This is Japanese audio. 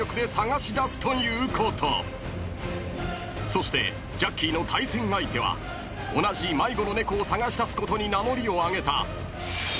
［そしてジャッキーの対戦相手は同じ迷子の猫を捜し出すことに名乗りを上げた］